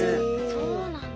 そうなんだ。